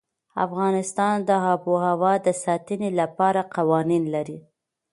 افغانستان د آب وهوا د ساتنې لپاره قوانين لري.